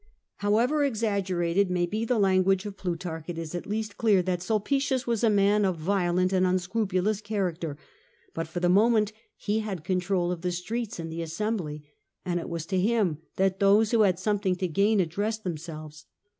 However exaggerated may be the language of Plutarch, it is at least clear that Sulpicius was a man of violent and unscrupulous character: but for the moment he had control of the streets and the assembly, and it was to him that those who had something to gain addressed them selves.